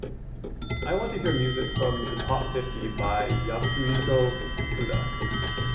I want to hear music from the top fifty by Yasuhiko Fukuda